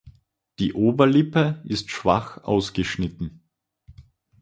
Die Oberlippe ist schwach ausgeschnitten.